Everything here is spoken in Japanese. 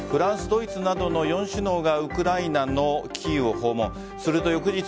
フランス、ドイツなどの首脳がウクライナのキーウを訪問。